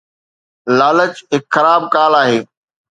لالچ هڪ خراب ڪال آهي